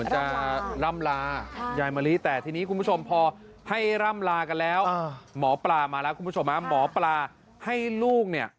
จะล่ำลายายมะลิแต่ทีนี้คุณผู้ชมพอให้ร่ำลากันแล้วหมอปลามาแล้วคุณผู้ชมหมอปลาให้ลูกเนี่ย